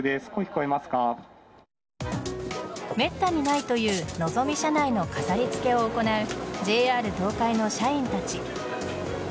めったにないというのぞみ車内の飾り付けを行うＪＲ東海の社員たち。